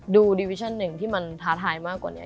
ดูดิวิชั่นหนึ่งที่มันท้าทายมากกว่านี้